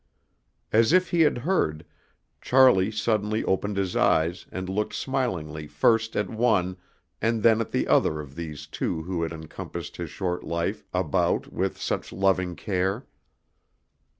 As if he had heard, Charlie suddenly opened his eyes and looked smilingly first at one and then at the other of these two who had encompassed his short life about with such loving care.